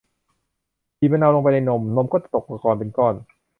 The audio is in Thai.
บีบมะนาวลงไปในนม นมก็จะตกตะกอนเป็นก้อน